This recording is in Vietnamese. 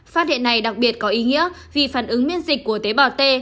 phát hiện này đặc biệt có ý nghĩa vì phản ứng miễn dịch của tế bào t